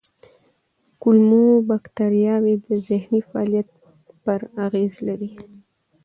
کولمو بکتریاوې د ذهني فعالیت پر اغېز لري.